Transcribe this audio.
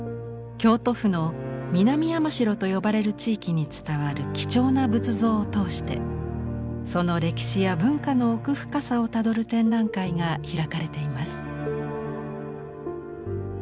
京都府の南山城と呼ばれる地域に伝わる貴重な仏像を通してその歴史や文化の奥深さをたどる展覧会が開かれています。